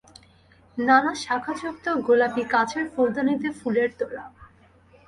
নানাশাখাযুক্ত গোলাপি কাঁচের ফুলদানিতে ফুলের তোড়া।